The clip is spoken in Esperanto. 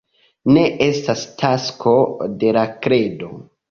Ne estas tasko de la kredo.